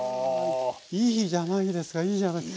いいじゃないですかいいじゃないですか。